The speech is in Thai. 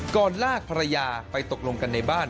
ลากภรรยาไปตกลงกันในบ้าน